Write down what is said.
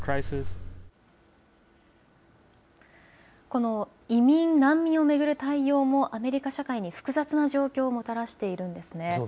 この移民、難民を巡る対応もアメリカ社会に複雑な状況をもたらしているんですね。